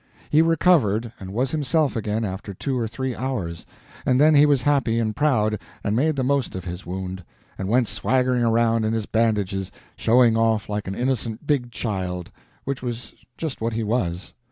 He recovered, and was himself again after two or three hours; and then he was happy and proud, and made the most of his wound, and went swaggering around in his bandages showing off like an innocent big child—which was just what he was.